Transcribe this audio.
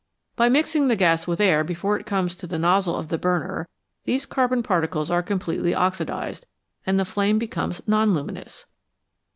By mixing the gas with air before it comes to the nozzle of the burner these carbon particles are completely oxidised, and the flame becomes non luminous.